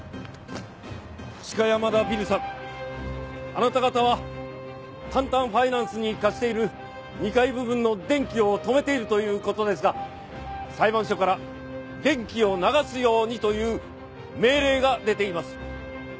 鹿山田ビルさんあなた方はタンタンファイナンスに貸している２階部分の電気を止めているという事ですが裁判所から電気を流すようにという命令が出ています。